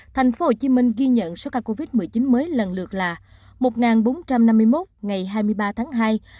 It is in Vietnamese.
tp hcm ghi nhận số ca covid một mươi chín mới lần lượt là một bốn trăm năm mươi một ngày hai mươi ba tháng hai